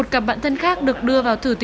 chắc là chỉ xoay được một ít thôi